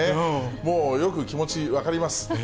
もうよく気持ち分かります。